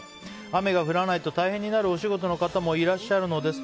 雨が降らないと大変になるお仕事の方もいらっしゃるのです。